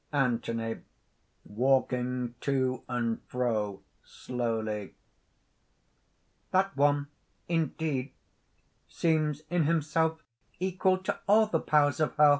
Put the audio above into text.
V. ANTHONY (walking to and fro, slowly). "That one, indeed, seems in himself equal to all the powers of Hell!